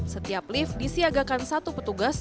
setiap lift disiagakan satu petugas